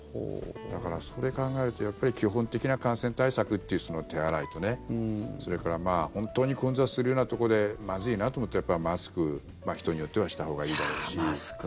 だからそれを考えると基本的な感染対策という手洗いとね、それから本当に混雑するようなところでまずいなと思ったら、マスク人によってはしたほうがいいだろうし。